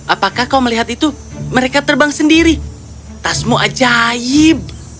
apakah kau melihat itu mereka terbang sendiri tasmu ajaib